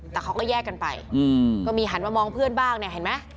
แต่เขาก็แยกกันไปก็มีหันมามองเพื่อนบ้างเนี่ยเห็นไหม